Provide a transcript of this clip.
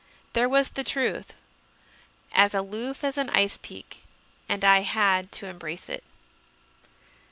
There was the Truth, as aloof as an ice peak, and I had to embrace it.